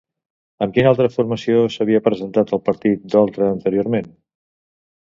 Amb quina altra formació s'havia presentat el partit d'Oltra anteriorment?